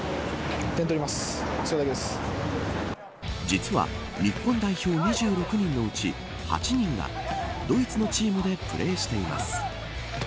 実は、日本代表２６人のうち８人がドイツのチームでプレーしています。